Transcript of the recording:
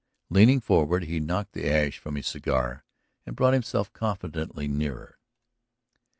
Leaning forward he knocked the ash from his cigar and brought himself confidentially nearer.